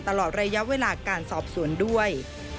ตลอดระยะเวลาการสอบสวนด้วย